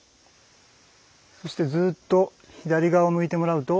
そしてずっと左側を向いてもらうと。